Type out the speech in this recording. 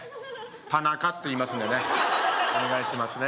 田中っていいますんでねお願いしますね